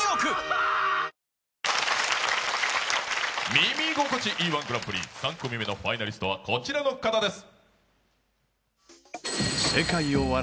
「耳心地いい−１グランプリ」、３組目のファイナリストはこちらの方です。